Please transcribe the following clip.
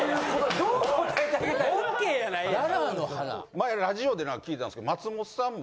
前ラジオで何か聞いたんですけど松本さんも。